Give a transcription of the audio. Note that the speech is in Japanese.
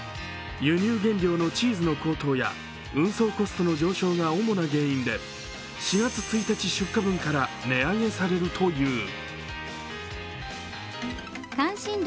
輸入原料のチーズの高騰や運送コストの上昇が主な原因で、４月１日出荷分から値上げされるという。